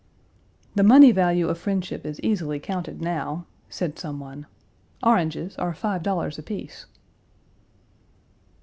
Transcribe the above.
"The money value of friendship is easily counted now," said some one, "oranges are five dollars apiece."